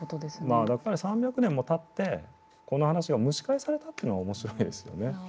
やっぱり３００年もたってこの話が蒸し返されたっていうのが面白いですよね。